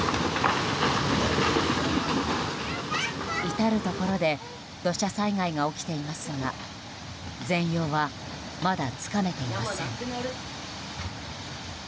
至るところで土砂災害が起きていますが全容は、まだつかめていません。